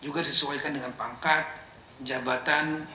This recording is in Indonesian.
juga disesuaikan dengan pangkat jabatan